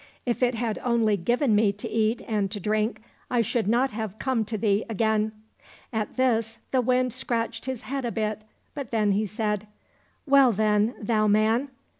If it had only given me to eat and to drink, I should not have come to thee again." At this the Wind scratched his head a bit, but then he said, " Well then, thou man